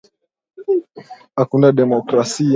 Hakuna demokrasia